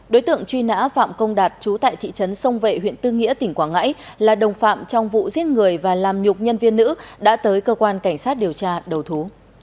đối tượng truy nã phạm công đạt trú tại thị trấn sông vệ huyện tư nghĩa tỉnh quảng ngãi là đồng phạm trong vụ giết người và làm nhục nhân viên nữ đã tới cơ quan cảnh sát điều tra đầu thú